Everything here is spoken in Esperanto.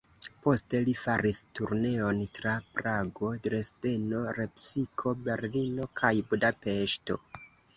Poste, li faris turneon tra Prago, Dresdeno, Lepsiko, Berlino kaj Budapeŝto.